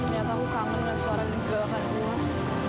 tidak tahu kamu dengan suara ngegel akan uah